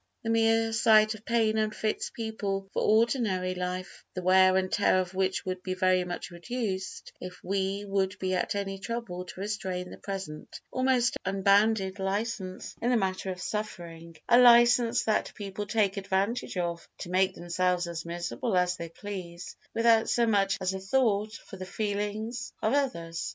The mere sight of pain unfits people for ordinary life, the wear and tear of which would be very much reduced if we would be at any trouble to restrain the present almost unbounded licence in the matter of suffering—a licence that people take advantage of to make themselves as miserable as they please, without so much as a thought for the feelings of others.